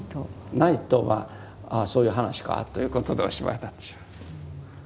ないとああそういう話かということでおしまいになってしまう。